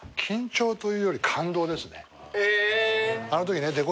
緊張というより感動ですね。